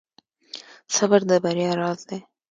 • صبر د بریا راز دی.